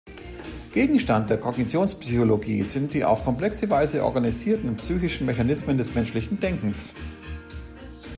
Gegenstand der Kognitionspsychologie sind die auf komplexe Weise organisierten psychischen Mechanismen des menschlichen Denkens.